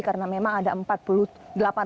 karena memang ada empat puluh delapan ribuan